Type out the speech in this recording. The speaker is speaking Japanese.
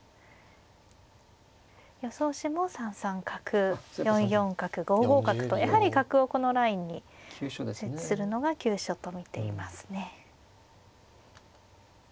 予想手も３三角４四角５五角とやはり角をこのラインに設置するのが急所と見ていますね。